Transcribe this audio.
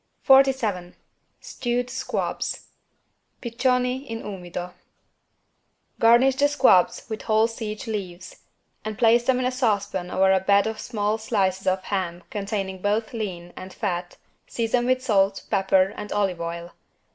47 STEWED SQUABS (Piccioni in umido) Garnish the squabs with whole sage leaves and place them in a saucepan over a bed of small slices of ham containing both lean and fat, season with salt, pepper and olive oil.